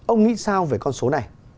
ông nghĩ sao về con số này